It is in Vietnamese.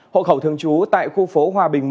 hộ khẩu thường trú tại khu phố hòa bình một